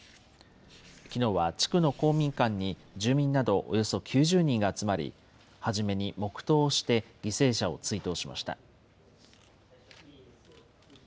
きのうは地区の公民館に住民などおよそ９０人が集まり、初めに黙とうをして、犠牲者を追悼しました。